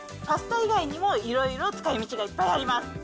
パスタ以外にも、いろいろ使いみちがいっぱいあります。